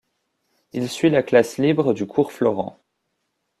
Il suit la classe libre du Cours Florent.